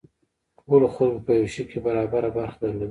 ټولو خلکو په یو شي کې برابره برخه درلوده.